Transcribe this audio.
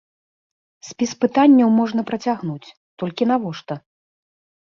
Спіс пытанняў можна працягнуць, толькі навошта?